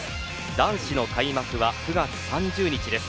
男子の開幕は９月３０日です。